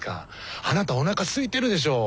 あなたおなかすいてるでしょう。